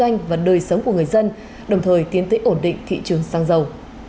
doanh và đời sống của người dân đồng thời tiến tới ổn định thị trường xăng dầu